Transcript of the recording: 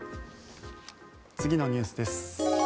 次のニュースです。